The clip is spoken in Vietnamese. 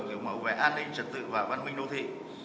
kiểu mẫu về an ninh trật tự và văn minh đô thị